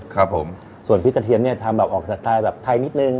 ครับผมส่วนพริกกระเทียมเนี่ยทำแบบออกจากไตล์แบบไทยนิดนึง